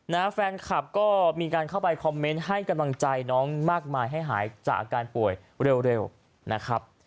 นะฮะแฟนคลับก็มีการเข้าไปคอมเมนต์ให้กำลังใจน้องมากมายให้หายจากอาการป่วยเร็วนะครับ